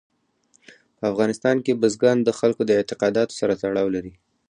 په افغانستان کې بزګان د خلکو د اعتقاداتو سره تړاو لري.